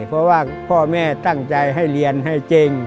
เพราะว่าพ่อแม่ตั้งใจให้เรียนให้เจ๊ง